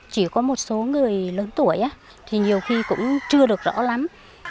chỉ có một số người lớn tuổi thì nhiều khi cũng chưa được rõ lắm